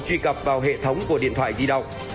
truy cập vào hệ thống của điện thoại di động